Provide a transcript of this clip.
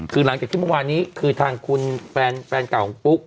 คือหลังจากที่เมื่อวานนี้คือทางคุณแฟนเก่าของปุ๊ก